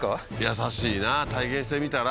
優しいな体験してみたら？